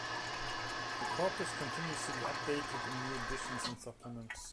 The "Corpus" continues to be updated in new editions and supplements.